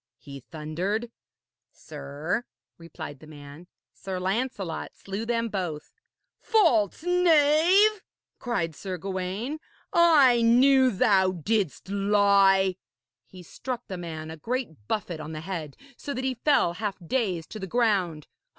he thundered. 'Sir,' replied the man, 'Sir Lancelot slew them both.' 'False knave!' cried Sir Gawaine, 'I knew thou didst lie.' He struck the man a great buffet on the head, so that he fell half dazed to the ground.